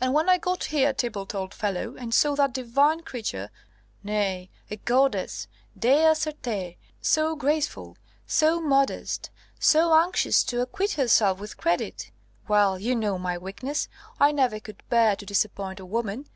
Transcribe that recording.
And when I got here, Thibault, old fellow, and saw that divine creature nay, a goddess, dea certé so graceful, so modest, so anxious to acquit herself with credit Well, you know my weakness; I never could bear to disappoint a woman.